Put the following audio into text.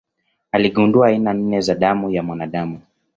Aligundua aina nne za damu ya mwanadamu.